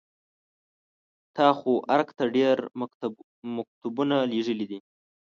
تا خو ارګ ته ډېر مکتوبونه لېږلي دي.